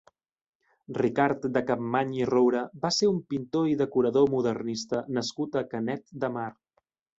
Ricard de Capmany i Roura va ser un pintor i decorador modernista nascut a Canet de Mar.